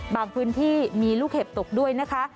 พื้นที่มีลูกเห็บตกด้วยนะคะ